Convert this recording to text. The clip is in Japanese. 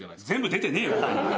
全部出てねえよ。